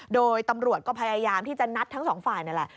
โดยตำรวจก็พยายามที่จะนัดทั้งสองฝ่ายนั่นแหละ